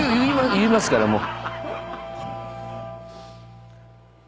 言いますからもう。